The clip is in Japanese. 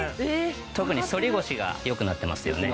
特に反り腰が良くなってますよね。